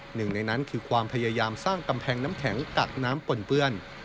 หนึ่งในนั้นคือความพยายามสร้างกำแพงน้ำแข็งกักน้ำปนเปื้อน